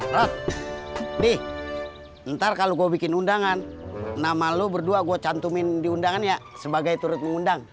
rod nih ntar kalau gua bikin undangan nama lu berdua gua cantumin di undangannya sebagai turut mengundang